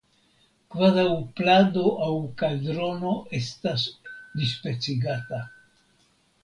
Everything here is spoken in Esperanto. kvazaŭ plado aŭ kaldrono estas dispecigata.